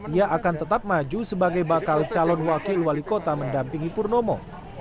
ia akan tetap maju sebagai bakal calon wakil wali kota mendampingi purnomo